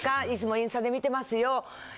いつもインスタで見てますよ。